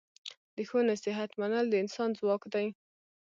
د ښو نصیحت منل د انسان ځواک دی.